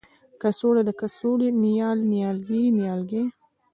کڅوړه ، کڅوړې ،نیال، نيالګي، نیالګی